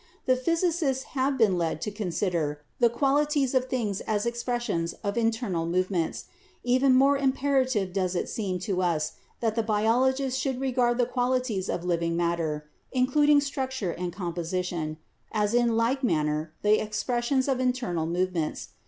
The phys icists have been led to consider the qualities of things as expressions of internal movements; even more imperative does it seem to us that the biologist should regard the qualities of living matter (including structure and com position) as in like manner the expressions of internal movements.